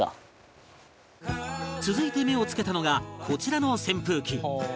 続いて目を付けたのがこちらの扇風機